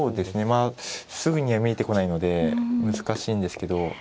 まあすぐには見えてこないので難しいんですけど。